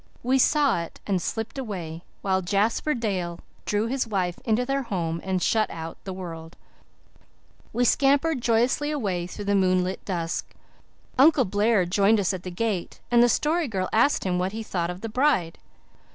We saw it, and slipped away, while Jasper Dale drew his wife into their home and shut the world out. We scampered joyously away through the moonlit dusk. Uncle Blair joined us at the gate and the Story Girl asked him what he thought of the bride.